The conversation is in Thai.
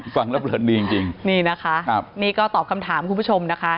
ค่ะฟังละเปิดดีจริงนี่นะคะนี่ก็ตอบคำถามของคุณผู้ชมนะคะ